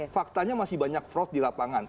faktanya masih banyak fraud di lapangan